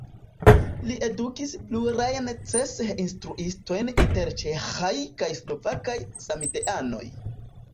Li edukis plurajn Cseh-instruistojn inter ĉeĥaj kaj slovakaj samideanoj.